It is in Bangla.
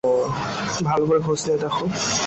ভালো করে খোঁজ নিয়ে দেখো।